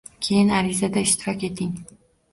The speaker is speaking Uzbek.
Keyin arizada ishtirok eting!